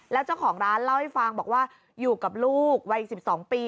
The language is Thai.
แล้วเจ้าของร้านเล่าให้ฟังบอกว่าอยู่กับลูกวัย๑๒ปี